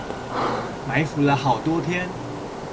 埋伏了好多天